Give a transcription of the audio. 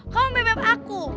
kamu bebep aku